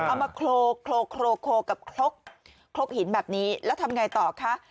เอามาโคลกโคลกโคลกโคลกกับคลกคลกหินแบบนี้แล้วทำไงต่อคะ